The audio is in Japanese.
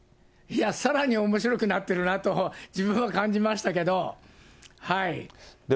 さらにおもしろくなってるなと、自分は感じましたけど。